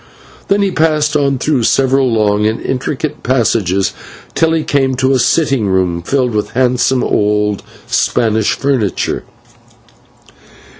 Then he passed on through several long and intricate passages, till he came to a sitting room filled with handsome old Spanish furniture.